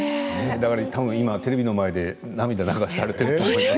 多分、今テレビの前で涙を流されていると思います。